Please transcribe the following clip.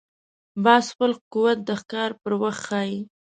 باز خپل قوت د ښکار پر وخت ښيي